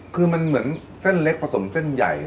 คือมันเหมือนเส้นเล็กผสมเส้นใหญ่